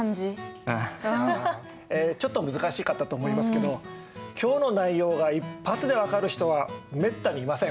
ちょっと難しかったと思いますけど今日の内容が一発で分かる人はめったにいません。